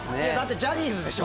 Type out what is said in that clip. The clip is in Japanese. ジャニーズでしょ？